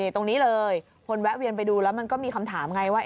ตรงนี้เลยคนแวะเวียนไปดูแล้วมันก็มีคำถามไงว่า